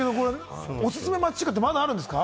おすすめ町中華ってまだあるんですか？